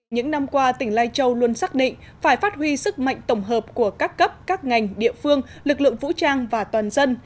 những năm qua tỉnh lai châu luôn xác định phải phát huy sức mạnh tổng hợp của các cấp các ngành địa phương lực lượng vũ trang và toàn dân